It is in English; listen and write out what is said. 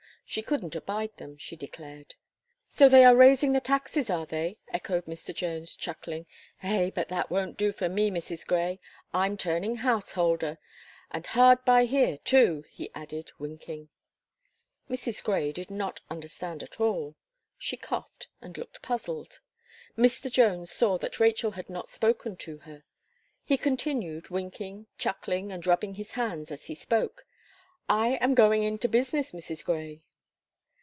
"She couldn't abide them," she declared. "And so they axe raising the taxes, are they!" echoed Mr. Jones, chuckling. "Eh! but that won't do for me, Mrs. Gray. I'm turning householder and hard by here too!" he added, winking. Mrs. Gray did not understand at all. She coughed, and looked puzzled. Mr. Jones saw that Rachel had not spoken to her. He continued winking, chuckling, and rubbing his hands as he spoke. "I am going into business, Mrs. Gray."